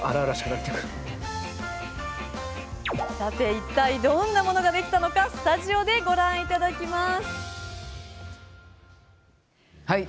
いったいどんなものができたのかスタジオで、ご覧いただきます。